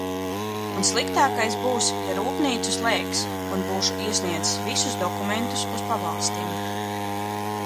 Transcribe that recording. Un sliktākais būs, ja rūpnīcu slēgs un būšu iesniedzis visus dokumentus uz pabalstiem.